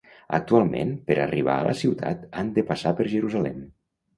Actualment, per a arribar a la ciutat han de passar per Jerusalem.